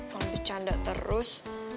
mau dicanda terus